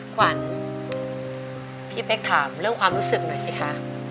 ขวัญพี่เป๊กถามเรื่องความรู้สึกหน่อยสิคะ